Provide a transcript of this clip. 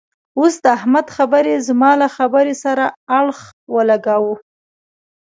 اوس د احمد خبرې زما له خبرې سره اړخ و لګاوو.